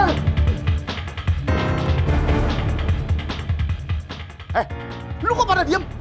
eh lu kok pada diem